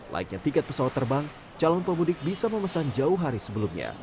laiknya tiket pesawat terbang calon pemudik bisa memesan jauh hari sebelumnya